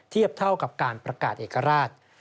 เทียบเท่ากับการประกาศเอกราช